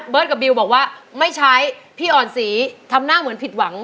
กับบิวบอกว่าไม่ใช้พี่อ่อนศรีทำหน้าเหมือนผิดหวัง